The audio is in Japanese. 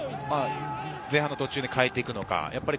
前半の途中で変えていくのか。